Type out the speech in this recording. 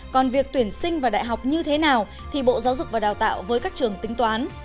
còn việc tuyển sinh vào đại học như thế nào thì bộ giáo dục và đào tạo với các trường tính toán